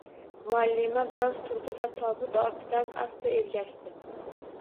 Muallima biroz turdi va tobut ortidan asta ergashdi.